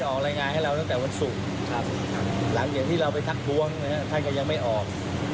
หลังจากที่เราไปทักทวงท่านก็ยังไม่ออก